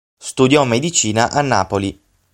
Studiò medicina a Napoli.